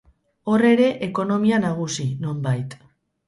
Hor ere, ekonomia nagusi, nonbait.